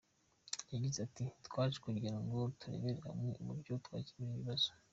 Yagize ati “ Twaje kugira ngo turebere hamwe uburyo twakemura iki kibazo.